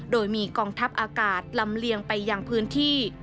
โดยมีกองทัพอากาศลำเลียงไปยังพื้นที่